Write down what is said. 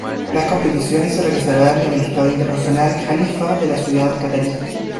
Las competiciones se realizarán en el Estadio Internacional Jalifa de la ciudad catarí.